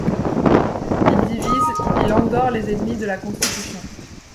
Il divise, il endort les ennemis de la constitution.